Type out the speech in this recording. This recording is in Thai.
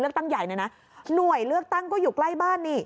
ตั้งใหญ่เลยนะหน่วยเลือกตั้งก็อยู่ใกล้บ้านนี่